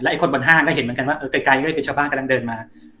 แล้วไอคนบนห้างก็เห็นเหมือนกันว่าเออไกลไกลก็ได้เป็นชาวบ้านกำลังเดินมา